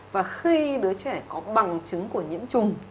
và khi đứa trẻ có bằng chứng của nhiễm trùng